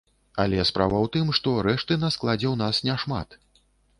Але справа ў тым, што рэшты на складзе ў нас няшмат.